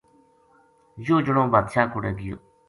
یوہ جنو بادشاہ کوڑے گیو